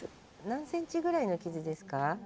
何センチぐらいの傷ですか？